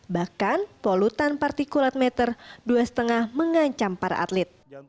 bahkan polutan partikulat meter dua lima mengancam para atlet